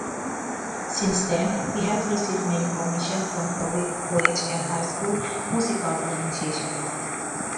Since then, he had received many commissions from college and high school musical organizations.